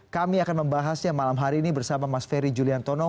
kami akan membahasnya malam hari ini bersama mas ferry juliantono